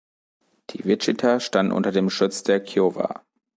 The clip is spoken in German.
Die Wichita standen unter dem Schutz der Kiowa.